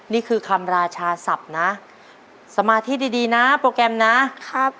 นี่คือคำราชาศัพท์นะสมาธิดีดีนะโปรแกรมนะครับ